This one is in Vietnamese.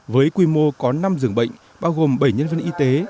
với quy mô có năm dường bệnh bao gồm bảy nhân viên y tế